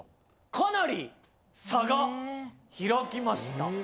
かなり差が開きました。